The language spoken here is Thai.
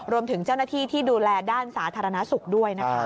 รวมถึงเจ้าหน้าที่ที่ดูแลด้านสาธารณสุขด้วยนะคะ